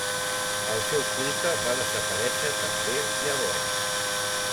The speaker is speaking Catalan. El seu culte va desaparèixer també llavors.